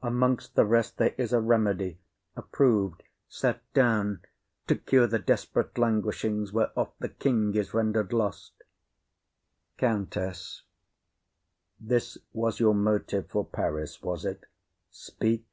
Amongst the rest There is a remedy, approv'd, set down, To cure the desperate languishings whereof The king is render'd lost. COUNTESS. This was your motive For Paris, was it? Speak.